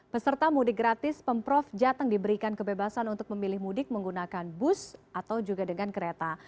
peserta mudik gratis pemprov jateng diberikan kebebasan untuk memilih mudik menggunakan bus atau juga dengan kereta